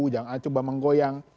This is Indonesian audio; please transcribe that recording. jangan ada yang coba menggoyang